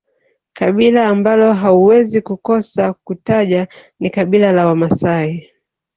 kabila ambalo hauwezi kukosa kutaja ni kabila la Wamasai